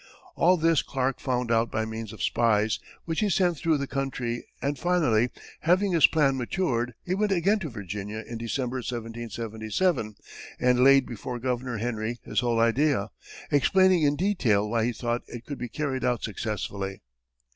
All this Clark found out by means of spies which he sent through the country, and finally, having his plan matured, he went again to Virginia in December, 1777, and laid before Governor Henry his whole idea, explaining in detail why he thought it could be carried out successfully.